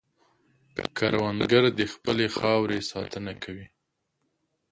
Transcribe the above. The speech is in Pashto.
کروندګر د خپلې خاورې ساتنه کوي